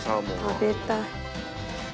食べたい。